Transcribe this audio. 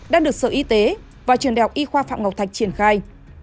đang được sở y tế và trường đại học y khoa phạm ngọc thạch triển khai